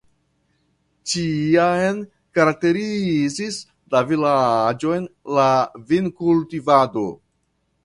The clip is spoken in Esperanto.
Ĉiam karakterizis la vilaĝon la vinkultivado.